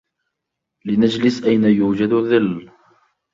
لنجلس أين يوجد ظل.